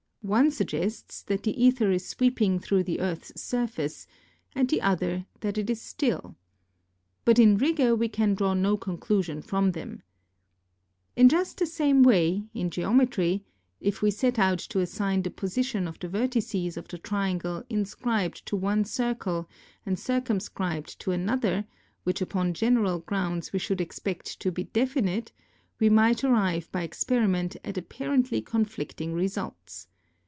One suggests that the aether is sweeping through the earth's surface, and the other that it is still. But in rigour we can draw no conclusion from them. In just the same way, in geometry, if we set out to assign the position of the vertices of the triangle inscribed to one circle and circumscribed to another, which upon general grounds we should expect to be definite, we might arrive by " experiment at apparently conflicting results.